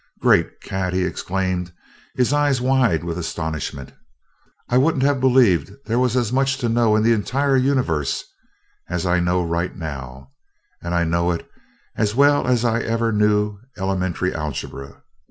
"Great Cat!" he exclaimed, his eyes wide with astonishment. "I wouldn't have believed there was as much to know in the entire Universe as I know right now, and I know it as well as I ever knew elementary algebra.